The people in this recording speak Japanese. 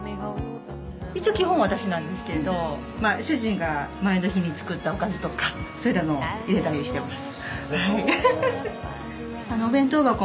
一応基本は私なんですけれど主人が前の日に作ったおかずとかそういったのを入れたりしてます。